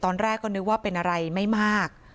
ตอนแรกก็นึกว่าเป็นอะไรไม่มาก